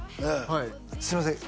はいすいません